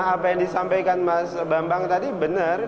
apa yang disampaikan mas bambang tadi benar